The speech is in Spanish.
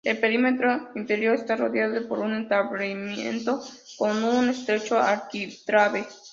El perímetro interior está rodeado por un entablamento, con un estrecho arquitrabe.